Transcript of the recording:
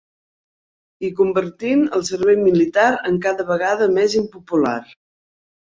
I convertint el servei militar en cada vegada més impopular.